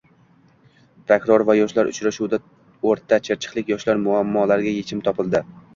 Prokuror va yoshlar uchrashuvida o‘rta chirchiqlik yoshlar muammolariga yechim topildi